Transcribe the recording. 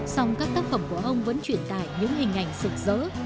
sông các tác phẩm của ông vẫn truyền tải những hình ảnh sực dỡ